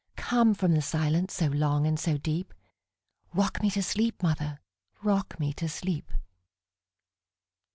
Come from the silence so long and so deep;—Rock me to sleep, mother,—rock me to sleep!